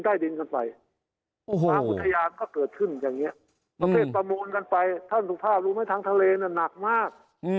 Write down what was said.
พระเจษย์ประโมนกันไปท่านสุภาพรู้มั้ยทางทะเลน่ะหนักมาก